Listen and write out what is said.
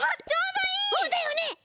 そうだよね！